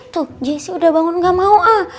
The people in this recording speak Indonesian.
tuh jessi udah bangun gak mau ah